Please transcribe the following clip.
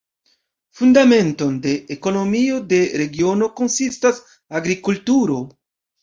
Fundamenton de ekonomio de regiono konsistas agrikulturo.